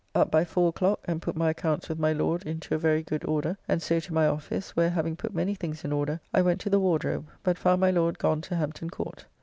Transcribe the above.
Up by four o'clock, and put my accounts with my Lord into a very good order, and so to my office, where having put many things in order I went to the Wardrobe, but found my Lord gone to Hampton Court.